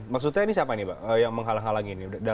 maksudnya ini siapa yang menghalang halangi ini